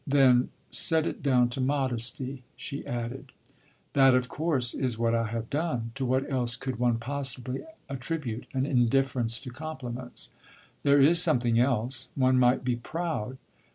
Then, "Set it down to modesty," she added. "That, of course, is what I have done. To what else could one possibly attribute an indifference to compliments?" "There is something else. One might be proud."